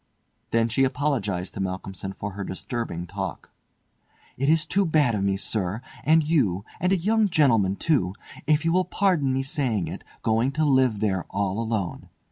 Then she apologised to Malcolmson for her disturbing talk. "It is too bad of me, sir, and you—and a young gentlemen, too—if you will pardon me saying it, going to live there all alone.